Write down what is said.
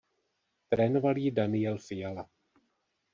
Trénoval ji Daniel Fiala.